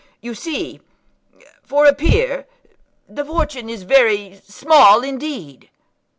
"You see, for a peer, the fortune is very small indeed."